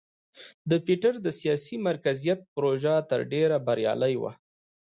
د پیټر د سیاسي مرکزیت پروژه تر ډېره بریالۍ وه.